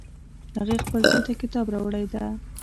هغې خپل زوی ته کتاب راوړی ده